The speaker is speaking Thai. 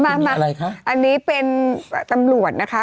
อันนี้มาอันนี้เป็นตำลวหน์นะคะ